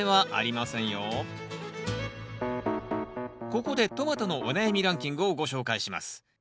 ここでトマトのお悩みランキングをご紹介します。